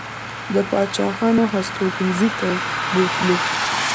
د پاچا هستوګنځي ته بوتلو.